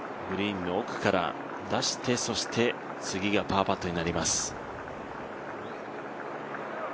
グリーンの奥から出してそして次がパーパットになります。